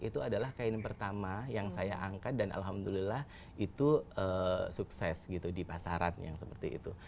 itu adalah kain pertama yang saya angkat dan alhamdulillah itu sukses gitu di pasaran yang seperti itu